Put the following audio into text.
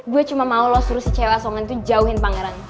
gue cuma mau lo suruh si cewek asongan itu jauhin pangeran